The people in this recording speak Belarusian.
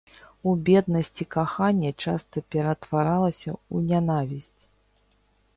У беднасці каханне часта ператваралася ў нянавісць.